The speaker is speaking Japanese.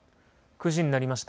９時になりました。